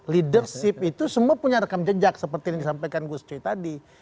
leadership itu semua punya rekam jejak seperti yang disampaikan gus coy tadi